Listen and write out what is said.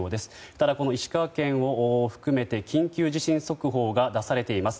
ただ、石川県を含めて緊急地震速報が出されています。